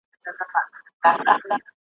زموږ نیکونو دا ویلي له پخوا دي `